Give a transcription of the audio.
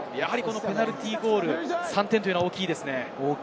ペナルティーゴール、３点は大きいですね。